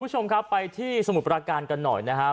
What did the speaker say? คุณผู้ชมครับไปที่สมุทรประการกันหน่อยนะครับ